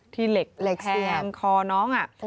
ที่เหล็กแพงคอน้องอ่ะ